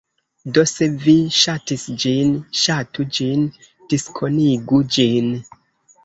Do, se vi ŝatis ĝin, ŝatu ĝin diskonigu ĝin